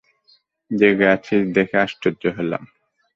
জেগে আছিস দেখে আশ্চর্য হলাম।